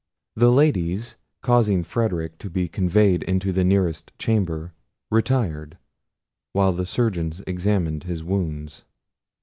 The ladies causing Frederic to be conveyed into the nearest chamber, retired, while the surgeons examined his wounds.